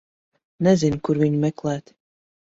Nezinu, kur viņu meklēt.